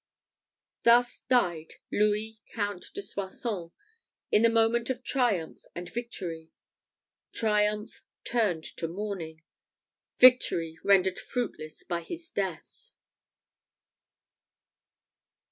Thus died Louis Count de Soissons, in the moment of triumph and victory triumph turned to mourning, victory rendered fruitless by his death!